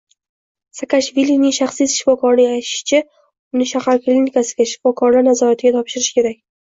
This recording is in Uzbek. Saakashvilining shaxsiy shifokorining aytishicha, uni shahar klinikasiga, shifokorlar nazoratiga topshish kerak